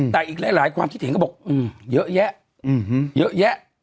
แต่อีกหลายความคิดเห็นก็บอกเยอะแยะเยอะแยะ